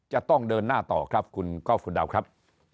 จะต้องเดินหน้าต่อครับคุณก้อฟคุณดาวครับ